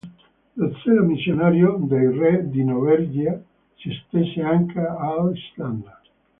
Lo zelo missionario dei re di Norvegia si estese anche all'Islanda.